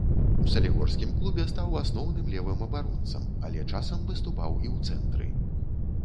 У салігорскім клубе стаў асноўным левым абаронцам, але часам выступаў і ў цэнтры.